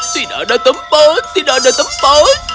tidak ada tempat tidak ada tempat